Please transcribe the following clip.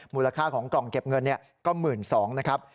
มูลค่าของกล่องเก็บเงินก็๑๒๐๐นะครับ